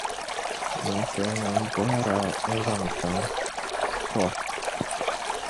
Ninsalinim’ bɔhiri a n-zaŋ chaŋ, tɔ!